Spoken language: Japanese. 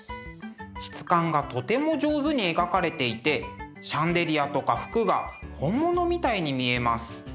質感がとても上手に描かれていてシャンデリアとか服が本物みたいに見えます。